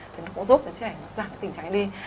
thì nó cũng giúp đứa trẻ giảm tình trạng đi